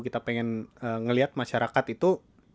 kita pengen melihat masyarakat itu